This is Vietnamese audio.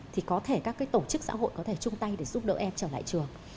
thì có thể các tổ chức xã hội có thể chung tay để giúp đỡ em trở lại trường